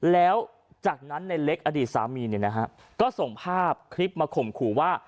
แล้วจากนั้นในเล็กอดีตสามีเนี่ยนะฮะก็ส่งภาพคลิปมาข่มขู่ว่า